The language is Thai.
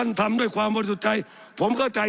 สับขาหลอกกันไปสับขาหลอกกันไป